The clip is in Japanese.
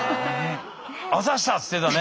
「あざした！」って言ってたね。